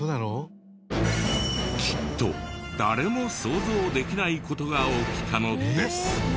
きっと誰も想像できない事が起きたのです。